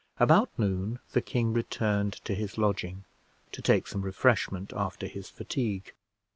About noon the king returned to his lodging, to take some refreshment after his fatigue.